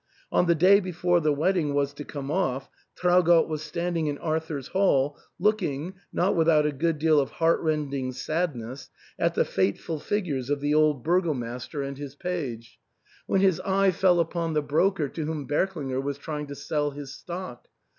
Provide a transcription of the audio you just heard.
On the day before the wedding was to come off, Traugott was standing in Arthur's Hall, looking, not without a good deal of heart rending sad ness, at the fateful ftgutes oi l\\a old bMT^oxxv^a&ter and ARTHUR'S HALL. 349 his page, when his eye fell upon the broker to whom Berklinger was trying to sell his stock.